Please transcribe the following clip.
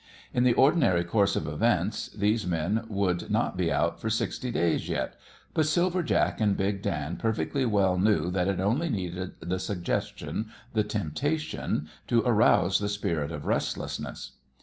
In the ordinary course of events these men would not be out for sixty days yet, but Silver Jack and Big Dan perfectly well knew that it only needed the suggestion, the temptation, to arouse the spirit of restlessness.